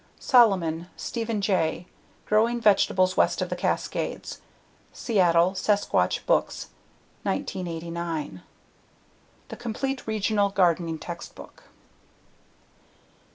Solomon, Stephen J. Growing Vegetables West of the Cascades. Seattle: Sasquatch Books, 1989. The complete regional gardening textbook.